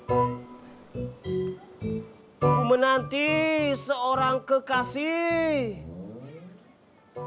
aku menanti seorang kekasih